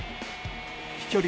飛距離